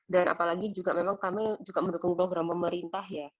dan apalagi juga memang kami juga mendukung program pemerintah ya